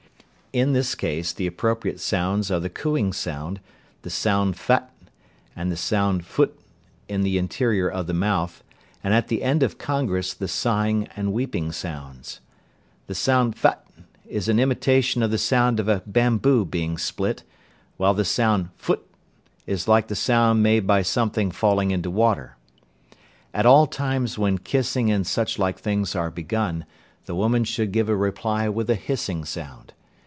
In this case the appropriate sounds are the cooing sound, the sound Phât, and the sound Phut in the interior of the mouth, and at the end of congress the sighing and weeping sounds. The sound Phât is an imitation of the sound of a bamboo being split, while the sound Phut is like the sound made by something falling into water. At all times when kissing and such like things are begun, the woman should give a reply with a hissing sound.